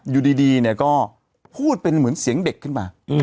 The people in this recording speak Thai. อยู่ดีเนี่ยก็พูดเป็นเหมือนเสียงเด็กขึ้นมา